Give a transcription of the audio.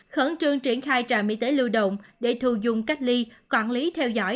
khẩn trương triển khai trạm y tế lưu động để thu dung cách ly quản lý theo dõi